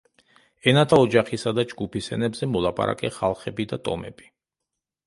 ენათა ოჯახისა და ჯგუფის ენებზე მოლაპარაკე ხალხები და ტომები.